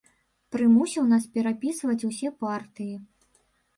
Прымусіў нас перапісваць усе партыі.